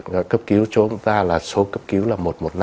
gọi cấp cứu cho chúng ta là số cấp cứu là một trăm một mươi năm